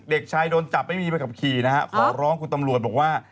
เด็กชายโดนจับไม่มีใบขับขี่นะฮะขอร้องคุณตำรวจบอกว่า